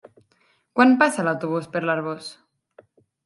Quan passa l'autobús per l'Arboç?